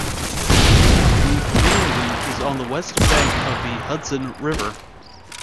The community is on the west bank of the Hudson River.